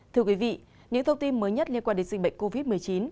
thưa quý vị những thông tin mới nhất liên quan đến dịch bệnh covid một mươi chín